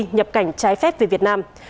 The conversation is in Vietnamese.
nhập cảnh trái phép về việt nam